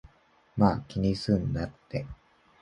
まぁ、気にすんなって